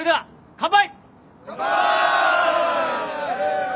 乾杯。